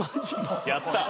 やった。